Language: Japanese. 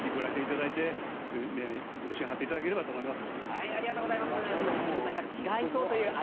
ぜひご来店いただいて召し上がっていただければと思います。